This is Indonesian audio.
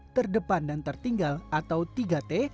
terdepan dan tertinggal atau tiga t